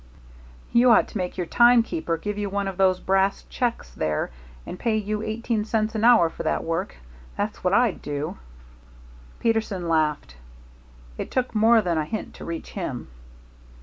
"You ought to make your timekeeper give you one of those brass checks there and pay you eighteen cents an hour for that work. That's what I'd do." Peterson laughed. It took more than a hint to reach him.